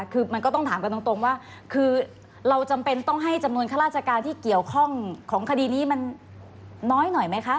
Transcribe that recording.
คือมันก็ต้องถามกันตรงว่าคือเราจำเป็นต้องให้จำนวนข้าราชการที่เกี่ยวข้องของคดีนี้มันน้อยหน่อยไหมคะ